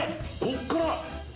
こっから。